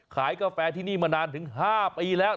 กาแฟที่นี่มานานถึง๕ปีแล้ว